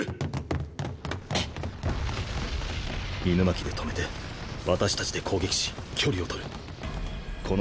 狗巻で止めて私たちで攻撃し距離を取る。